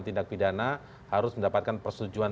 tindak pidana harus mendapatkan persetujuan